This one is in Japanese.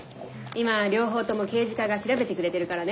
今両方とも刑事課が調べてくれてるからね。